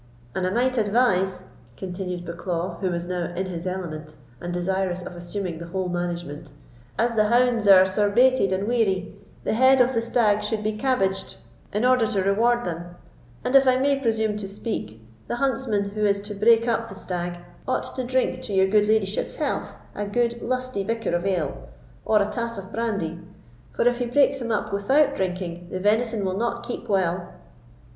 "An I might advise," continued Bucklaw, who was now in his element, and desirous of assuming the whole management, "as the hounds are surbated and weary, the head of the stag should be cabaged in order to reward them; and if I may presume to speak, the huntsman, who is to break up the stag, ought to drink to your good ladyship's health a good lusty bicker of ale, or a tass of brandy; for if he breaks him up without drinking, the venison will not keep well."